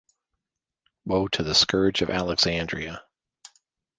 Woe to the scourge of Alexandria!